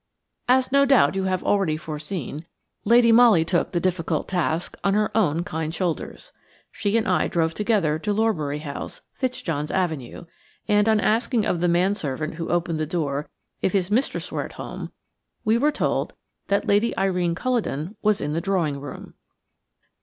As, no doubt, you have already foreseen, Lady Molly took the difficult task on her own kind shoulders. She and I drove together to Lorbury House, Fitzjohn's Avenue, and on asking of the manservant who opened the door if his mistress were at home, we were told that Lady Irene Culledon was in the drawing room.